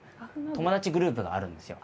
友達グループがあるんですよ。